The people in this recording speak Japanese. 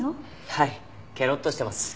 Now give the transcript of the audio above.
はいケロッとしてます。